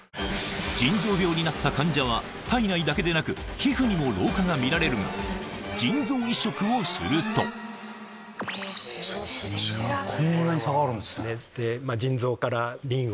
腎臓病になった患者は体内だけでなく皮膚にも老化が見られるがこんなに差があるんですか。